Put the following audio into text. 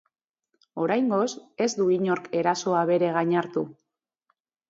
Oraingoz, ez du inork erasoa bere gain hartu.